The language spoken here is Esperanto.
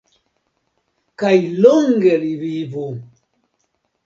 kaj longe li vivu!